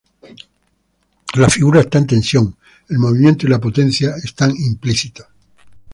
La figura está en tensión, el movimiento y la potencia están implícitos.